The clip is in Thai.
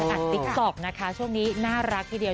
ติ๊กต๊อกนะคะช่วงนี้น่ารักทีเดียว